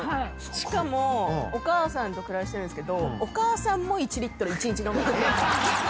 しかもお母さんと暮らしてるんですけどお母さんも１リットル一日飲むんです。